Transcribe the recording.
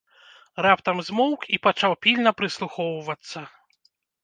Раптам змоўк і пачаў пільна прыслухоўвацца.